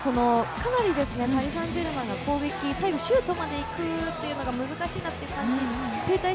かなりパリ・サンジェルマンが攻撃、最後シュートまで行くというのが難しいなという感じ。